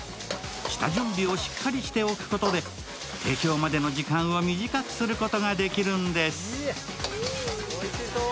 下準備をしっかりしておくことで提供までの時間を短くすることができるんです。